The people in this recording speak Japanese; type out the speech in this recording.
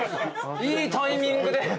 いいタイミングで。